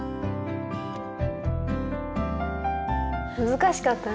難しかったね。